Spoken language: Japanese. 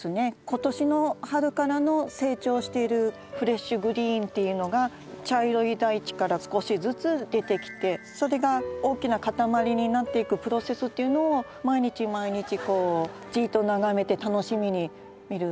今年の春からの成長しているフレッシュグリーンっていうのが茶色い大地から少しずつ出てきてそれが大きな塊になっていくプロセスっていうのを毎日毎日こうじっと眺めて楽しみに見る。